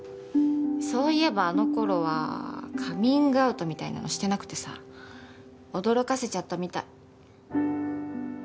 そういえばあの頃はカミングアウトみたいなのしてなくてさ驚かせちゃったみたい。